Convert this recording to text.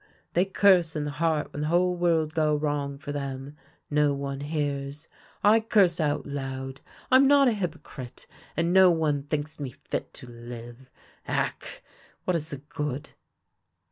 They curse in the heart when the whole world go wrong for them ; no one hears. I curse out loud. I'm not a hypocrite, and no one thinks me fit to live. Ack ! what is the good